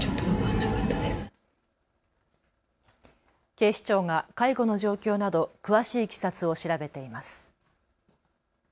警視庁が介護の状況など詳しいいきさつを調べています。